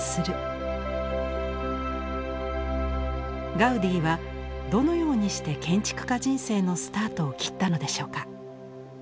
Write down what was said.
ガウディはどのようにして建築家人生のスタートを切ったのでしょうか。